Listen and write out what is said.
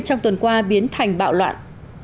trong tuần qua biến thành bạo loạn